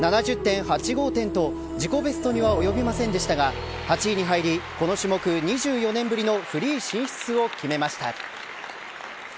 ７０．８５点と自己ベストには及びませんでしたが８位に入りこの種目２４年ぶりのフリー進出を決めました。